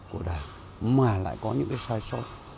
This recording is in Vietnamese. của đảng mà lại có những cái sai sót